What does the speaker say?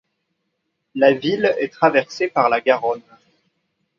La ville est traversée par la Garonne.